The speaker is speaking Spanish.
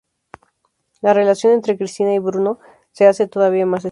La relación entre Cristina y Bruno se hace todavía más estrecha.